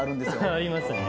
ありますね。